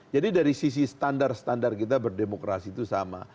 jadi dari sisi standar standar kita berdemokrasi itu sama